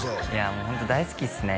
もうホント大好きっすね